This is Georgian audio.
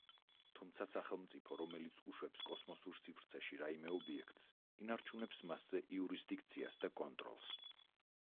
თუმცა, სახელმწიფო, რომელიც უშვებს კოსმოსურ სივრცეში რაიმე ობიექტს, ინარჩუნებს მასზე იურისდიქციას და კონტროლს.